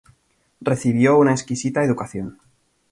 Recibió una exquisita educación.